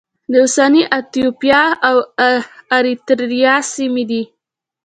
د اوسنۍ ایتوپیا او اریتریا سیمې دي.